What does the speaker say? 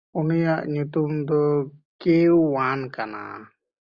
ᱩᱱᱤᱭᱟᱜ ᱧᱩᱛᱩᱢ ᱫᱚ ᱠᱮᱭᱶᱟᱱ ᱠᱟᱱᱟ᱾